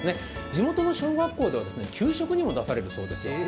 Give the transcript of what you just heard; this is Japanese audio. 地元の小学校では給食にも出されるそうですよ。